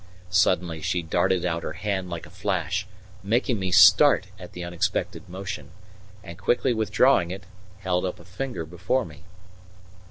Suddenly she darted out her hand like a flash, making me start at the unexpected motion, and quickly withdrawing it, held up a finger before me.